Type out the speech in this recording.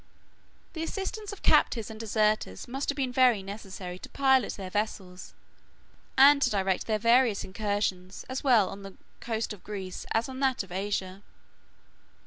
The assistance of captives and deserters must have been very necessary to pilot their vessels, and to direct their various incursions, as well on the coast of Greece as on that of Asia.